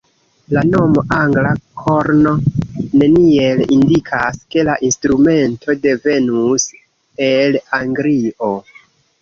La nomo "angla korno" neniel indikas, ke la instrumento devenus el Anglio.